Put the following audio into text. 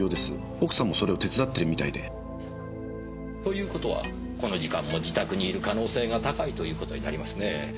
奥さんもそれを手伝ってるみたいで。という事はこの時間も自宅にいる可能性が高いという事になりますね。